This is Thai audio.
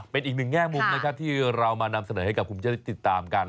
เป็นอีกหนึ่งแง่มุมนะครับที่เรามานำเสนอให้กับคุณผู้ชมได้ติดตามกัน